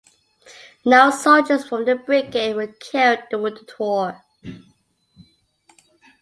No soldiers from the brigade were killed during the tour.